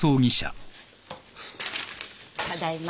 ただいま。